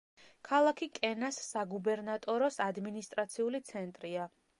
ქალაქი კენას საგუბერნატოროს ადმინისტრაციული ცენტრია.